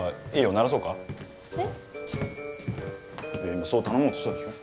今そう頼もうとしたでしょ。